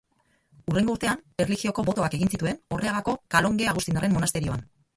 Hurrengo urtean, erlijioko botoak egin zituen Orreagako kalonje agustindarren monasterioan.